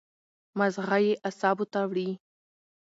مازغه ئې اعصابو ته وړي